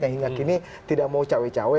yang hingga kini tidak mau cawe cawe